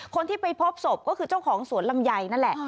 คนที่ไปพบศพก็คือเจ้าของสวนลำไยนั่นแหละ